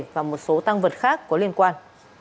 và một số tăng vật khác có liên quan